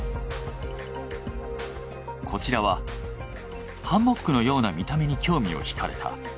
こちらは「ハンモックのような見た目に興味を惹かれた。